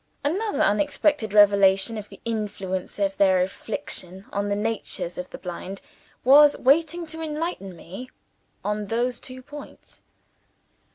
Another unexpected revelation of the influence of their affliction on the natures of the blind, was waiting to enlighten me on those two points.